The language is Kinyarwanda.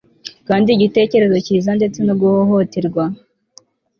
Kandi igitekerezo cyiza ndetse no guhohoterwa